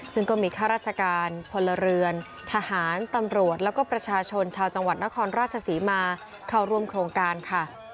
ซึ่งก็มีข้าราชการพลเรือนทหารตำรวจแล้วก็ประชาชนชาวจังหวัดนครราชศรีมาเข้าร่วมโครงการค่ะ